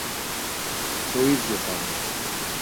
Το ίδιο κάνει.